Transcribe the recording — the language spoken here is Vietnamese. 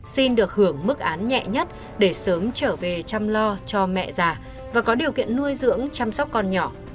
xin được hưởng mức án nhẹ nhất để sớm trở về chăm lo cho mẹ già và có điều kiện nuôi dưỡng chăm sóc con nhỏ